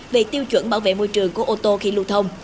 về tiêu chuẩn bảo vệ môi trường của ô tô khi lưu thông